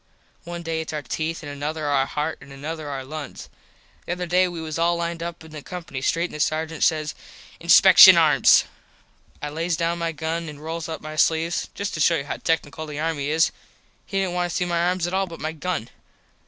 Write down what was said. One day its our teeth an another our heart an another our lungs. The other day we was all lined up in the company street and the Sargent says "Inspecshun arms." I lays down my gun an rolls up my sleves. Just to show you how tecknickle the army is he didnt want to see my arms at all but my gun.